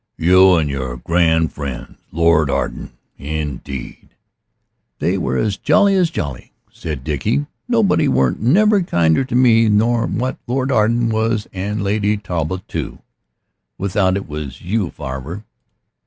"You an' your grand friends. Lord Arden indeed " "They was as jolly as jolly," said Dickie; "nobody weren't never kinder to me nor what Lord Arden was an' Lady Talbot too without it was you, farver."